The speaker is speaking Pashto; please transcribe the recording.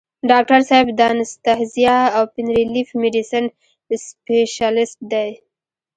ډاکټر صېب دانستهزيا او پين ريليف ميډيسن سپيشلسټ دے ۔